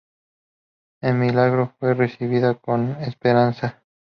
En Milagro fue recibida con esperanza.